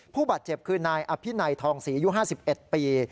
ผู้บาดเจ็บคือนายอภินัยทองศรีอายุ๕๑ปี